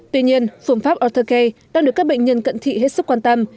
tuy nhiên phương pháp autocay đang được các bệnh nhân cận thị hết sức quan tâm